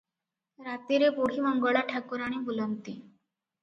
ରାତିରେ ବୁଢ଼ୀମଙ୍ଗଳା ଠାକୁରାଣୀ ବୁଲନ୍ତି ।